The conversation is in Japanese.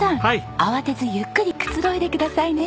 慌てずゆっくりくつろいでくださいね。